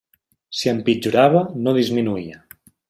Si empitjorava, no disminuïa.